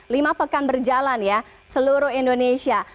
lima pekan berjalan ya seluruh indonesia